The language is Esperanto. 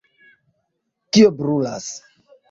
kio brulas?